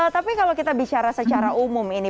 tapi kalau kita bicara secara umum ini